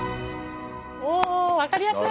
お分かりやすい！